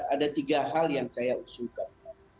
ada tiga hal yang saya usulkan